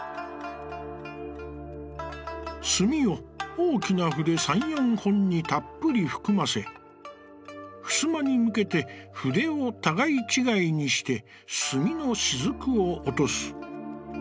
「墨を大きな筆三、四本にたっぷりふくませ、襖に向けて、筆をたがい違いにして墨のしずくを落とす。